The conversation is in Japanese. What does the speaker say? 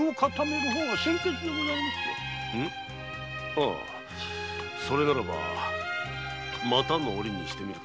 ああそれならばまたの折にしてみるか。